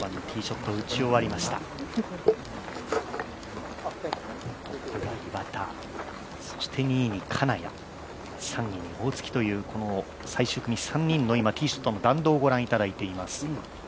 トップが岩田、そして２位に金谷３位に大槻という最終組３人のティーショットの弾道をご覧いただいています。